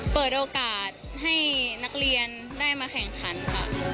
เปิดโอกาสให้นักเรียนได้มาแข่งขันค่ะ